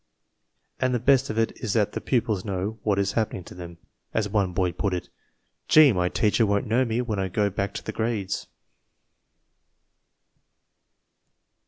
And the best of it is that the pupils know what is happening to them. As one boy put it, "Gee! my teacher won't know me when I go back to the grades